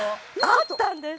「あったんです。